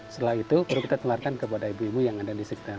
setelah itu baru kita tularkan kepada ibu ibu yang ada di sekitar